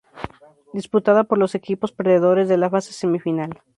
Disputada por los equipos perdedores de la fase semifinal.